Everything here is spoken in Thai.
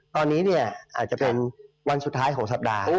ตอนนี้เนี่ยอาจจะเป็นวันสุดท้ายของสัปดาห์